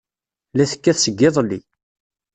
La tekkat seg yiḍelli.